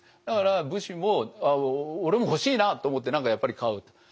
だから武士も俺も欲しいなって思って何かやっぱり買うと。